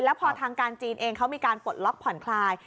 แล้วพอทางการจีนเองเขามีการปลดล็อกผ่อนคลาย